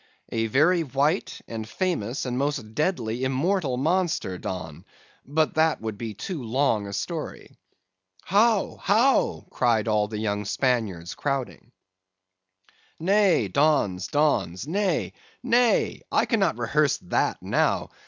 "'A very white, and famous, and most deadly immortal monster, Don;—but that would be too long a story.' "'How? how?' cried all the young Spaniards, crowding. "'Nay, Dons, Dons—nay, nay! I cannot rehearse that now.